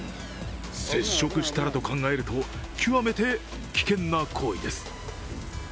接触したらと考えると、極めて危険な行為です。